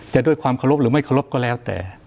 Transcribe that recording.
ด้วยความเคารพหรือไม่เคารพก็แล้วแต่